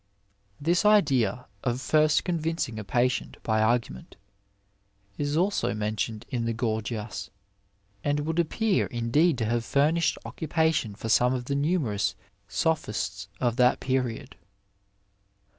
^ This idea of first convincing a patient by argument is also mentioned in the Gorgiasy and would appear indeed to have fumislied occupation for some of the numerous sophists of that period.